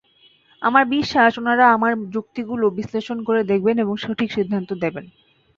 আমার বিশ্বাস, ওনারা আমার যুক্তিগুলো বিশ্লেষণ করে দেখবেন এবং সঠিক সিদ্ধান্ত দেবেন।